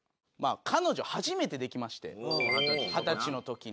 彼女初めてできまして二十歳の時に。